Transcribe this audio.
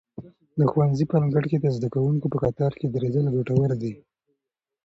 د ښوونځي په انګړ کې د زده کوونکو په کتار کې درېدل ګټور دي.